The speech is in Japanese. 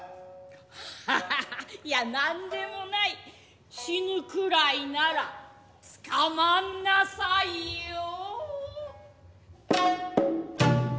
ハハハいやなんでもない死ぬくらいなら捕まんなさいよ！